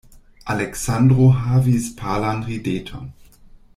Aleksandro havis palan rideton.